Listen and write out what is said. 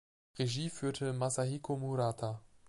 Regie führte Masahiko Murata.